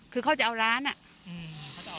คือเขาจะเอาร้านอ่ะ